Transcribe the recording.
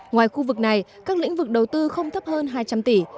ngoài khu vực này các lĩnh vực đầu tư không thấp hơn hai trăm linh tỷ